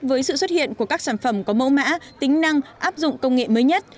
với sự xuất hiện của các sản phẩm có mẫu mã tính năng áp dụng công nghệ mới nhất